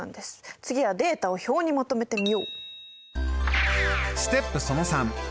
次はデータを表にまとめてみよう。